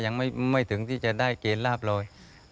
ยังไม่ถึงที่จะได้เกณฑ์ลาบลอย